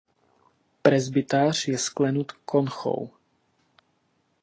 Presbytář je sklenut konchou.